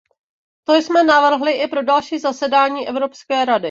To jsme navrhli i pro další zasedání Evropské rady.